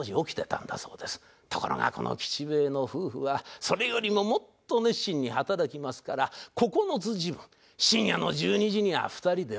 ところがこの吉兵衛の夫婦はそれよりももっと熱心に働きますから九時分深夜の１２時には２人で起きてた。